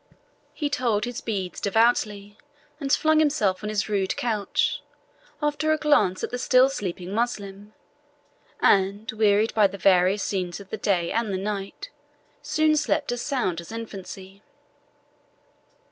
He told his beads devoutly, and flung himself on his rude couch, after a glance at the still sleeping Moslem, and, wearied by the various scenes of the day and the night, soon slept as sound as infancy.